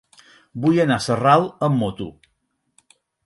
Vull anar a Sarral amb moto.